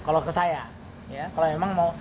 kalau ke saya ya kalau memang mau